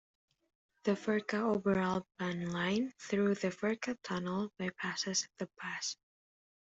The Furka Oberalp Bahn line through the Furka Tunnel bypasses the pass.